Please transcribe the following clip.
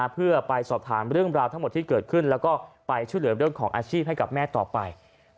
เพื่อไปสอบถามเรื่องราวทั้งหมดที่เกิดขึ้นแล้วก็ไปช่วยเหลือเรื่องของอาชีพให้กับแม่ต่อไป